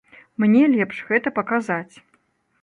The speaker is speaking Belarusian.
Мне лепш гэта паказаць.